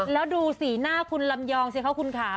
แล้วดูสีหน้าคุณลำยองเสียเข้าคุณขา